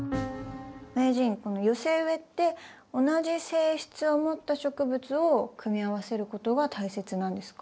名人この寄せ植えって同じ性質を持った植物を組み合わせることが大切なんですか？